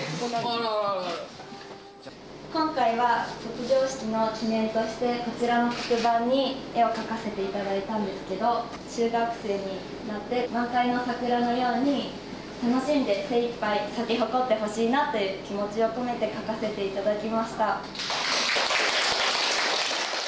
今回は卒業式の記念としてこちらの黒板に絵を描かせていただいたんですけど中学生になって満開の桜のように楽しんで精いっぱい咲き誇ってほしいなという気持ちを込めて描かせていただきました。